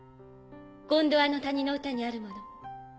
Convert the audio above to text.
ゴンドアの谷の歌にあるもの。